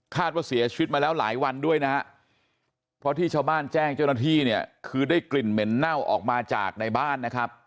ว่าเสียชีวิตมาแล้วหลายวันด้วยนะฮะเพราะที่ชาวบ้านแจ้งเจ้าหน้าที่เนี่ยคือได้กลิ่นเหม็นเน่าออกมาจากในบ้านนะครับ